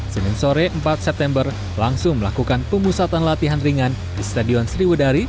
senin sore empat september langsung melakukan pemusatan latihan ringan di stadion sriwedari